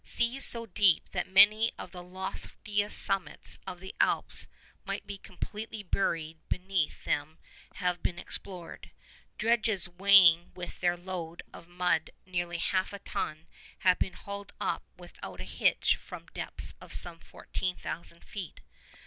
Seas so deep that many of the loftiest summits of the Alps might be completely buried beneath them have been explored. Dredges weighing with their load of mud nearly half a ton have been hauled up without a hitch from depths of some 14,000 feet.